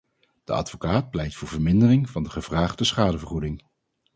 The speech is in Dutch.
De advocaat pleit voor vermindering van de gevraagde schadevergoeding.